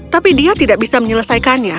tapi dia tidak bisa menyelesaikannya